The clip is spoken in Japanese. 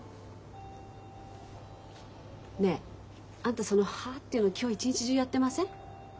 ねえあんたその「はあ」っていうの今日一日中やってません？